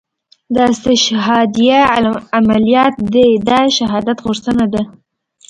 دا استشهاديه عمليات دي دا شهادت غوښتنه ده.